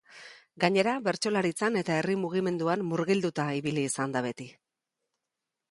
Gainera, bertsolaritzan eta herri mugimenduan murgilduta ibili izan da beti.